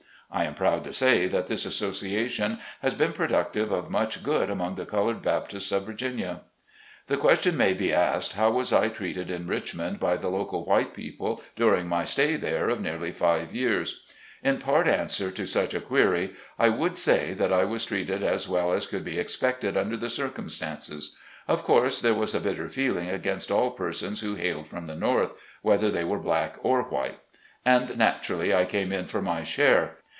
I am proud to say that this Association has been productive of much good among the colored Baptists of Virginia. The question may be asked, how was I treated in Richmond by the local white people during my stay there of nearly five years ? In part answer to such a query I would say, that I was treated as well as could be expected under the circumstances. Of course there was a bitter feeling against all persons who hailed from the North, whether they were black or white. And naturally, I came in for my share.